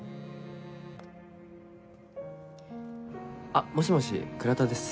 あっもしもし倉田です。